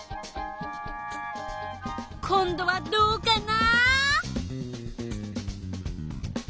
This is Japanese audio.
今度はどうかな？